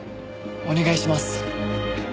お願いします。